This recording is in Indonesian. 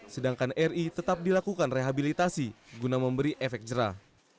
sedangkan ri tetap dilakukan rehabilitasi guna memberi efek jerah